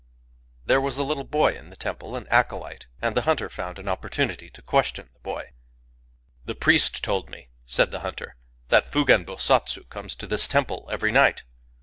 There was a little boy in the temple, — an acolyte, — and the hunter found an opportunity to question the boy. "The priest told me," said the hunter, "that Fugen Bosatsu comes to this temple every night.